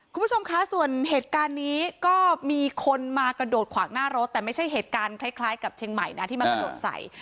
คุณผู้ชมคะส่วนเหตุการณ์นี้ก็มีคนมากระโดดขวางหน้ารถแต่ไม่ใช่เหตุการณ์คล้ายกับเชียงใหม่นะที่มากระโดดใส่